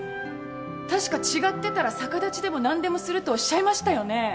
確か違ってたら逆立ちでも何でもするとおっしゃいましたよね？